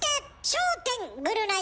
「笑点・ぐるナイ